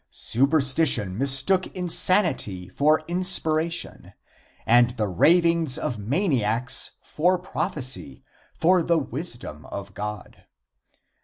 Superstition mistook insanity for inspiration and the ravings of maniacs for prophesy, for the wisdom of God.